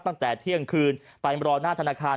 ตั้งแต่เที่ยงคืนไปรอหน้าธนาคาร